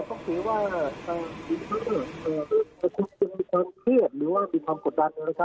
คุณจะมีความเคลื่อนหรือว่ามีความกดดนะครับ